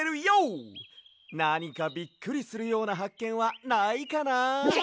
なにかびっくりするようなはっけんはないかな。